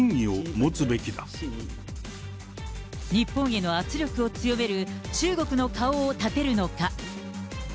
日本への圧力を強める中国の顔を立てるのか。